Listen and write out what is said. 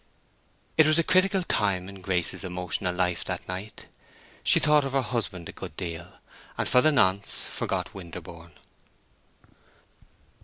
It was a critical time in Grace's emotional life that night. She thought of her husband a good deal, and for the nonce forgot Winterborne.